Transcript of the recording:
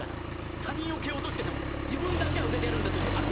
他人を蹴落としてでも自分だけは売れてやるんだという飽く